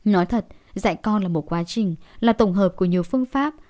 nói thật dạy con là một quá trình là tổng hợp của nhiều phương pháp